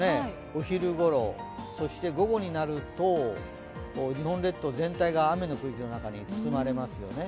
お昼ごろ、そして午後になると日本列島全体が雨の区域の中に包まれますよね。